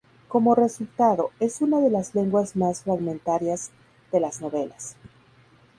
Como resultado, es una de las lenguas más fragmentarias de las novelas.